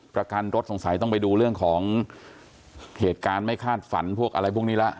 ประกันรถสงสัยต้องไปดูเรื่องของเหตุการณ์ไม่คาดฝันพวกอะไรพวกนี้แล้ว